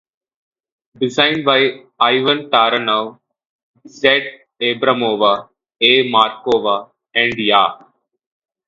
Designed by Ivan Taranov, Z. Abramova, A. Markova, and Ya.